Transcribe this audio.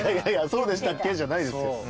そうでしたっけ？じゃないですよ。